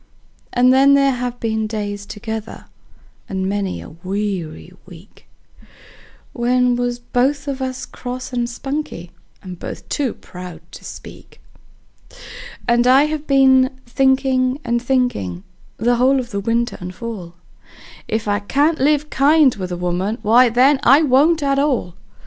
And there has been days together and many a weary week We was both of us cross and spunky, and both too proud to speak; And I have been thinkin' and thinkin', the whole of the winter and fall, If I can't live kind with a woman, why, then, I won't at all.